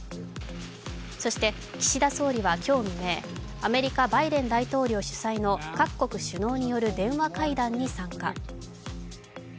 そして岸田総理は今日未明、アメリカ・バイデン大統領主催の各国首脳による電話会談に参加。